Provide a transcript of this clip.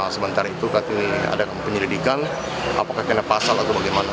sementara itu kami ada penyelidikan apakah kena pasal atau bagaimana